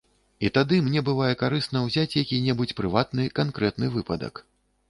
І тады мне бывае карысна ўзяць які-небудзь прыватны, канкрэтны выпадак.